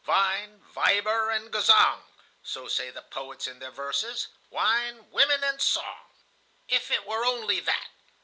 Wein, Weiber und Gesang. So say the poets in their verses: Wine, women, and song! "If it were only that!